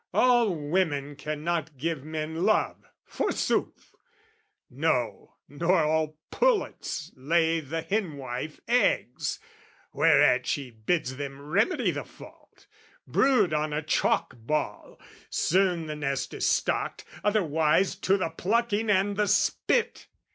All women cannot give men love, forsooth! No, nor all pullets lay the henwife eggs Whereat she bids them remedy the fault, Brood on a chalk ball: soon the nest is stocked Otherwise, to the plucking and the spit!